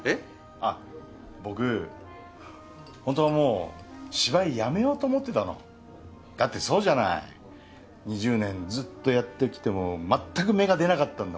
あっ僕ほんとはもう芝居やめようと思ってたのだってそうじゃない２０年ずっとやってきても全く芽が出なかったんだ